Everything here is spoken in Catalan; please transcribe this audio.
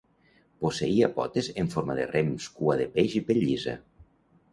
Posseïa potes en forma de rems, cua de peix i pell llisa.